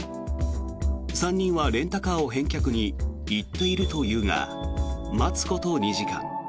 ３人はレンタカーを返却に行っているというが待つこと２時間。